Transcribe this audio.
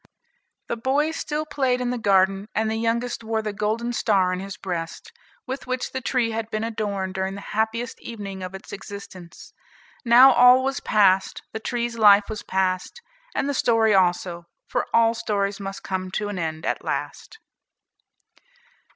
The boys still played in the garden, and the youngest wore the golden star on his breast, with which the tree had been adorned during the happiest evening of its existence. Now all was past; the tree's life was past, and the story also, for all stories must come to an end at last.